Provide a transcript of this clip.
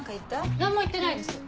何も言ってないです。